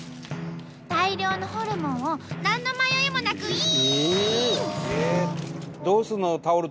大量のホルモンを何の迷いもなくイン！